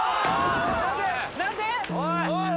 何で！？